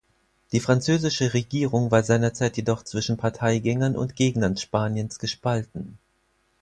Die französische Regierung war seinerzeit jedoch zwischen Parteigängern und Gegnern Spaniens gespalten.